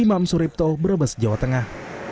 atau berubah sejauh tengah